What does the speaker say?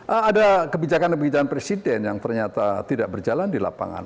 ada kebijakan kebijakan presiden yang ternyata tidak berjalan di lapangan